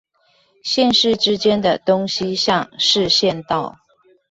縣市之間的東西向市縣道